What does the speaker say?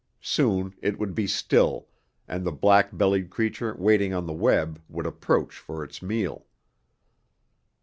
Soon it would be still, and the black bellied creature waiting on the web would approach for its meal.